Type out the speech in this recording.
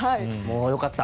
良かった。